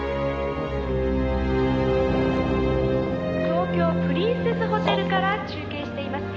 「東京プリンセスホテルから中継しています。